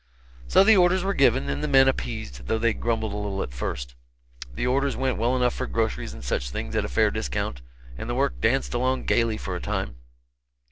So the orders were given and the men appeased, though they grumbled a little at first. The orders went well enough for groceries and such things at a fair discount, and the work danced along gaily for a time.